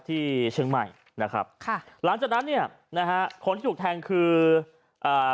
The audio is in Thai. ที่เชียงใหม่นะครับค่ะหลังจากนั้นเนี่ยนะฮะคนที่ถูกแทงคืออ่า